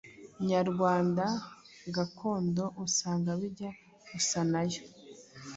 nyarwanda gakondo usanga bijya gusa na yo